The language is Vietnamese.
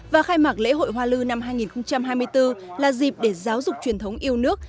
và khai mạc lễ hội hoa lư năm hai nghìn hai mươi bốn là dịp để giáo dục truyền thống yêu nước